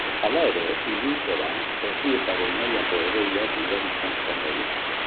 Hala ere, iluntzera, erdi eta goi-mailako hodeiak ugaritzen joango dira.